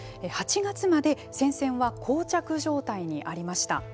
８月まで戦線はこう着状態にありました。